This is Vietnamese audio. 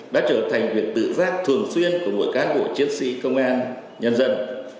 đã trở thành việc tự giác thường xuyên của mỗi cán bộ chiến sĩ công an nhân dân